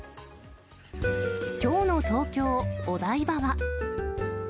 きょうの東京・お台場は。